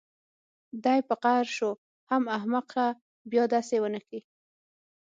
دى په قهر شو حم احمقه بيا دسې ونکې.